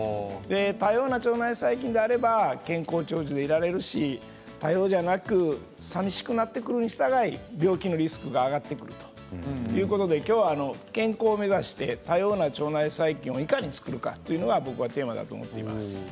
多様な腸内細菌があれば健康長寿でいられるし多様ではなくさみしくなってくるにしたがって病気のリスクが上がってくるということで今日は健康を目指して多様な腸内細菌をいかに作るかということが僕はテーマだと思っています。